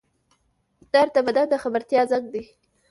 درد د بدن د خبرتیا زنګ دی